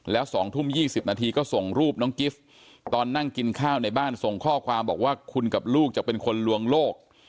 แล้ว๒ทุ่ม๒๐นาทีก็ส่งรูปน้องกิฟต์ตอนนั่งกินข้าวในบ้านส่งข้อความบอกว่าคุณกับลูกจะเป็นคนลวงโลก